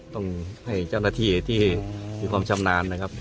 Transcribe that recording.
ต้องให้เจ้าหน้าที่ที่มีความชำนาญนะครับ